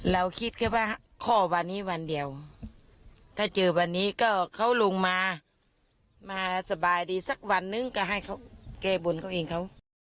เราคิดเฉพาะข่อพอหัวในวันเดียวถ้าเจอวันนี้ก็เขามันมามาสบายดูซะวันนึงก็ให้เขาเกะบุญเขาเองเข้า